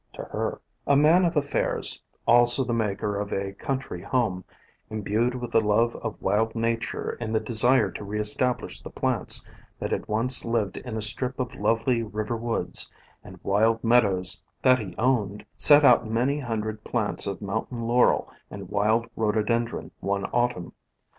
to her. A man of affairs, also the maker of a country home, imbued with the love of wild nature and the desire to reestablish the plants that had once lived in a strip of lovely river woods and wild meadows that he owned, set out many hundred plants of Mountain Laurel and Wild Rhododendron one Autumn.